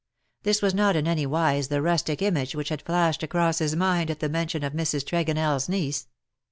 This was not in any wise the rustic image which had flashed across his mind at the mention of Mrs. TregonelFs niece.